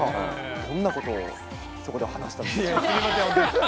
どんなことをそこで話したんですか。